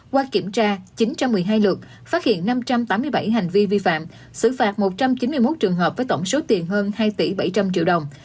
qua kiểm tra chín trăm một mươi hai lượt phát hiện năm trăm tám mươi bảy hành vi vi phạm xử phạt một trăm chín mươi một trường hợp với tổng số tiền hơn hai tỷ bảy trăm linh triệu đồng